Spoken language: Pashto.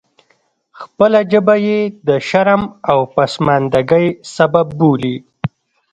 خپله ژبه یې د شرم او پسماندګۍ سبب بولي.